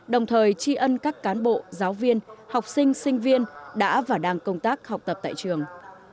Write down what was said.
đồng thời tri ân các cán bộ giáo viên học sinh sinh viên đã và đang công tác học tập tại trường